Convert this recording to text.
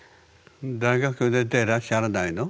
大学出てらっしゃらないの？